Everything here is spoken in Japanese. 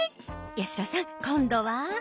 八代さん今度は。